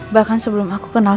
bahkan sebelum aku kenal